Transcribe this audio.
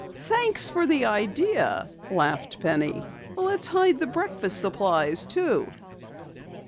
"Thanks for the idea," laughed Penny. "Let's hide the breakfast supplies, too."